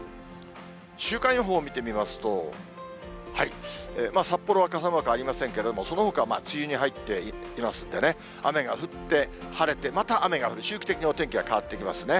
週間予報を見てみますと、札幌は傘マークありませんけれども、そのほか梅雨に入っていますんでね、雨が降って、晴れて、また雨が降る、周期的にお天気が変わってきますね。